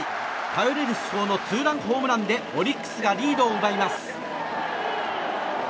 頼れる主砲のツーランホームランでオリックスがリードを奪います。